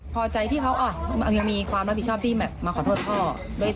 พอใจที่เขายังมีความรับผิดชอบที่แบบมาขอโทษพ่อด้วย